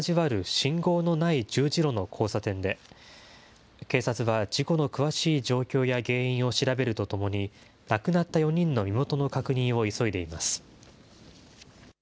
信号のない十字路の交差点で、警察は事故の詳しい状況や原因を調べるとともに、亡くなった４人の身元の確認を急いでいます。